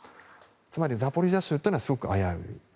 つまり、ザポリージャ州はすごく危うい。